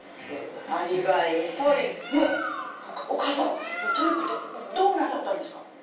お義母様トリックってどうなさったんですか？